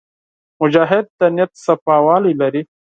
مجاهد د نیت صفاوالی لري.